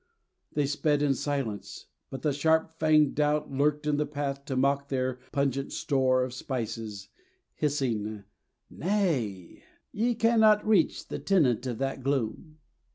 They sped in silence, but the sharp fanged doubt Lurked in the path to mock their pungent store Of spices, hissing, "Nay, Ye cannot reach the Tenant of that gloom."